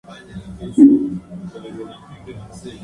En algunos países de Europa la película se prohibió por estas razones.